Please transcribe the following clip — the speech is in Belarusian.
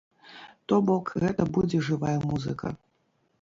То бок гэта будзе жывая музыка.